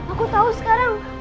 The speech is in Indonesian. aku tahu sekarang